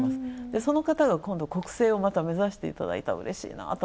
その方が今度、国政をまた目指してもらったらうれしいなと。